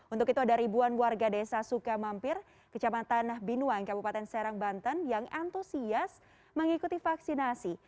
untuk itu ada ribuan warga desa suka mampir ke jaman tanah binuang kabupaten serang banten yang antusias mengikuti vaksinasi